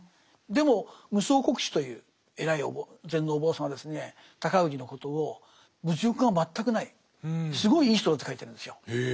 でも夢窓国師という偉い禅のお坊さんがですね尊氏のことを物欲が全くないすごいいい人だって書いてるんですよ。